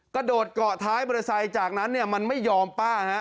กระโดดเกาะท้ายมอเตอร์ไซค์จากนั้นเนี่ยมันไม่ยอมป้าฮะ